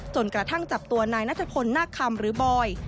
จนกระทั่งจับตัวนายนัทพลนาคคำหรือบอย